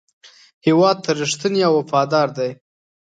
هېواد ته رښتینی او وفادار دی.